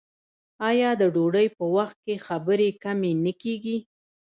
آیا د ډوډۍ په وخت کې خبرې کمې نه کیږي؟